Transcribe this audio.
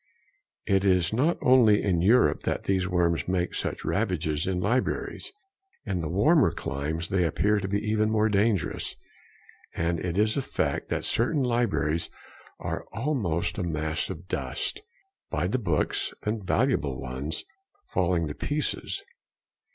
It is not only in Europe that these worms make such ravages in libraries. In the warmer climes they appear to be even more dangerous. And it is a fact that certain libraries are almost a mass of dust, by the books (and valuable ones) falling to pieces.